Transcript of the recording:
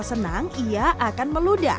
senang ia akan meludah